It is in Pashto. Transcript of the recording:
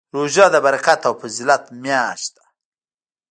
روژه د برکت او فضیله میاشت ده